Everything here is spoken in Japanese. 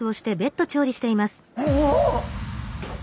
お！